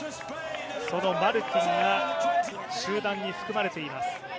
そのマルティンが集団に含まれています。